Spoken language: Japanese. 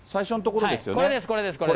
これです、これです。